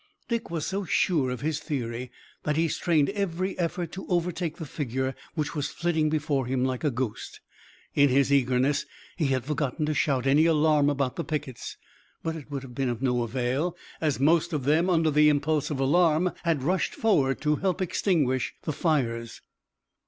Dick was so sure of his theory that he strained every effort to overtake the figure which was flitting before him like a ghost. In his eagerness he had forgotten to shout any alarm about the pickets, but it would have been of no avail, as most of them, under the impulse of alarm, had rushed forward to help extinguish the fires.